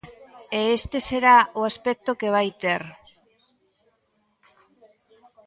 E este será o aspecto que vai ter.